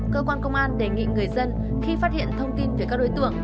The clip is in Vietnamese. cơ quan công an đề nghị người dân khi phát hiện thông tin về các đối tượng